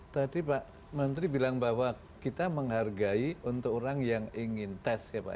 tadi pak menteri bilang bahwa kita menghargai untuk orang yang ingin tes ya pak